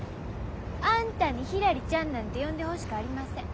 あんたに「ひらりちゃん」なんて呼んでほしくありません。